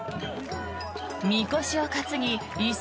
みこしを担ぎ威勢